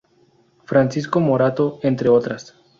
Francisco Morato, entre otras.